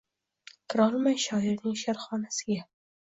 kirolmay shoirning she’rxonasiga.